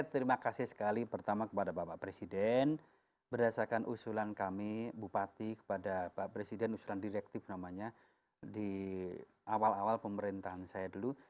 terima kasih sekali pertama kepada bapak presiden berdasarkan usulan kami bupati kepada pak presiden usulan direktif namanya di awal awal pemerintahan saya dulu